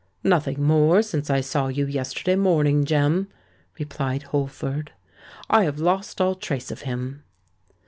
"Nothing more since I saw you yesterday morning, Jem," replied Holford. "I have lost all trace of him."